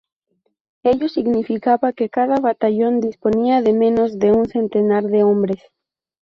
Ello significaba que cada batallón disponía de menos de un centenar de hombres.